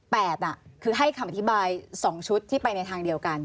คือให้คำอธิบาย๒ชุดที่ไปในทางเดียวกัน